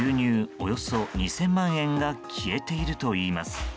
およそ２０００万円が消えているといいます。